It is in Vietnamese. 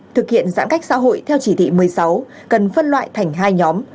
thực hiện giãn cách xã hội theo chỉ thị một mươi sáu cần phân loại thành hai nhóm